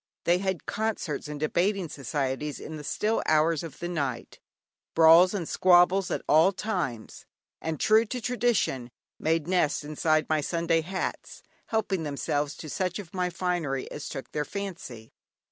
They had concerts and debating societies in the still hours of the night, brawls and squabbles at all times; and true to tradition, made nests inside my Sunday hats, helping themselves to such of my finery as took their fancy.